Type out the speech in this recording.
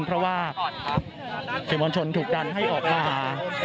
เพราะสิมมลชนถึงการดันให้ออกมา